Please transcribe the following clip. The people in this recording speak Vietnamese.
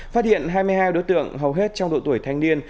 phát hiện hai mươi hai đối tượng hầu hết trong độ tuổi thanh niên